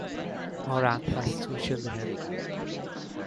Nor and has two children.